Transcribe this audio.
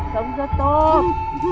sống rất tốt